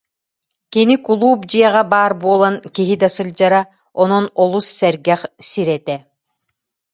Кини кулууп дьиэҕэ баар буолан киһи да сылдьара, онон олус сэргэх сир этэ